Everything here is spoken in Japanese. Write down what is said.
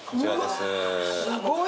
すごい。